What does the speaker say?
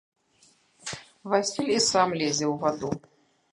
Васіль і сам лезе ў ваду.